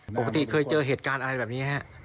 ปกติเคยเจอเหตุการณ์อะไรแบบนี้ฮะ